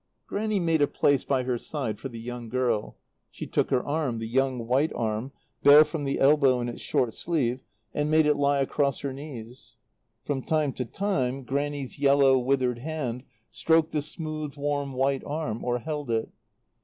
Grannie made a place by her side for the young girl; she took her arm, the young white arm, bare from the elbow in its short sleeve, and made it lie across her knees. From time to time Grannie's yellow, withered hand stroked the smooth, warm white arm, or held it.